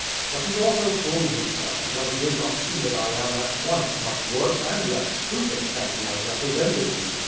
But the author fooled himself, because he did not see that I am at once much worse and less stupid than he has represented me.